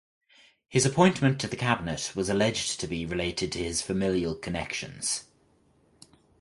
His appointment to the cabinet was alleged to be related to his familial connections.